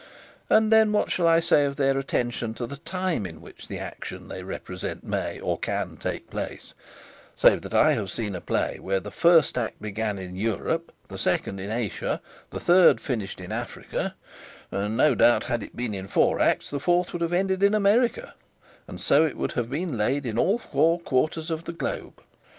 And then what shall I say of their attention to the time in which the action they represent may or can take place, save that I have seen a play where the first act began in Europe, the second in Asia, the third finished in Africa, and no doubt, had it been in four acts, the fourth would have ended in America, and so it would have been laid in all four quarters of the globe?